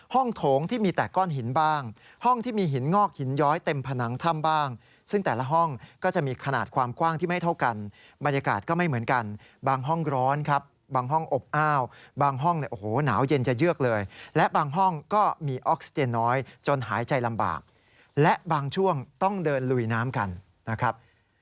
โถงที่มีแต่ก้อนหินบ้างห้องที่มีหินงอกหินย้อยเต็มผนังถ้ำบ้างซึ่งแต่ละห้องก็จะมีขนาดความกว้างที่ไม่เท่ากันบรรยากาศก็ไม่เหมือนกันบางห้องร้อนครับบางห้องอบอ้าวบางห้องเนี่ยโอ้โหหนาวเย็นจะเยือกเลยและบางห้องก็มีออกซิเจนน้อยจนหายใจลำบากและบางช่วงต้องเดินลุยน้ำกันนะครับ